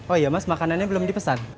oh iya mas makanannya belum dipesan